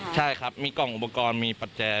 ใช่ครับมีกล่องอุปกรณ์มีปัจจัย